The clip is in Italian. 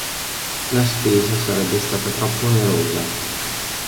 La spesa sarebbe stata troppo onerosa.